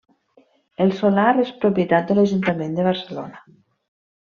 El solar és propietat de l'Ajuntament de Barcelona.